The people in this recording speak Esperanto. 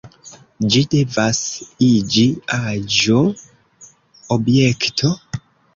Ĝi devas iĝi aĵo, objekto.